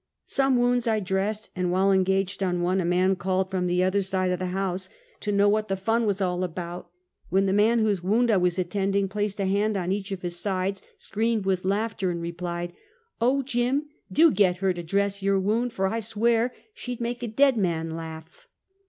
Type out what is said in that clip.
Some wounds I dressed, and while engaged on one, a man called from the other side of the house to know Pkayers Enough and to Spake. 335 what the fun was all about, when the man whose wound I was attending placed a hand on each of his sides, screamed with laughter, and replied :" Oh, Jim ! do get her to dress your wound, for I swear, she'd make a dead man laugh!"